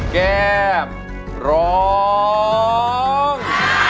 แก้มร้อง